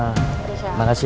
terima kasih ya